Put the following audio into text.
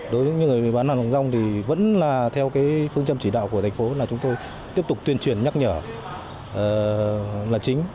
đối với những người bán hàng rong thì vẫn là theo phương châm chỉ đạo của thành phố là chúng tôi tiếp tục tuyên truyền nhắc nhở là chính